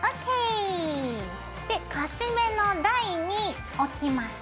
でカシメの台に置きます。